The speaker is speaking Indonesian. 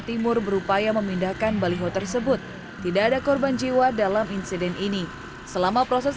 timur berupaya memindahkan baliho tersebut tidak ada korban jiwa dalam insiden ini selama proses